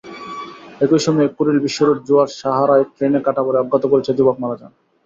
একই সময় কুড়িল বিশ্বরোড জোয়ার সাহারায় ট্রেনে কাটা পড়ে অজ্ঞাতপরিচয়ের যুবক মারা যান।